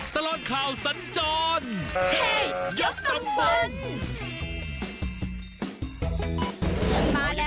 ตลอดข่าวสรรจน์เฮยกตำบล